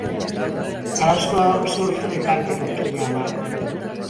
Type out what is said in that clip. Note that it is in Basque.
Zarauzko Surf Elkarteko kidea da.